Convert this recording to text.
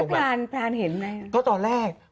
พรานพรานเห็นไหมก็ตอนแรก